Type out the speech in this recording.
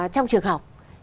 trong trường học